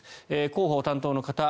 広報担当の方